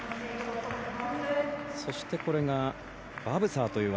そして、これがバブサーという技。